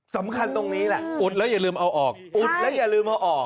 สำคัญตรงนี้แหละอุดแล้วอย่าลืมเอาออก